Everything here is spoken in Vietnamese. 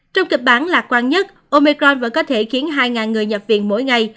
trong kịch bản lạc quan nhất omecron vẫn có thể khiến hai người nhập viện mỗi ngày